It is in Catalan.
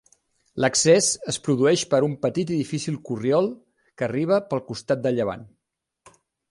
L'accés es produeix per un petit i difícil corriol que arriba pel costat de llevant.